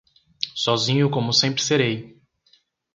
sozinho como sempre serei.